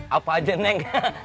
apa aja neng